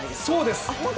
そうです！